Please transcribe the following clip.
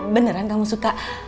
beneran kamu suka